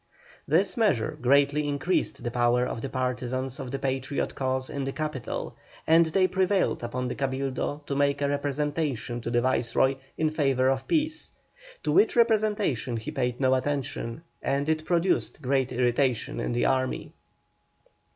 This measure greatly increased the power of the partisans of the Patriot cause in the capital, and they prevailed upon the Cabildo to make a representation to the Viceroy in favour of peace, to which representation he paid no attention, and it produced great irritation in the army.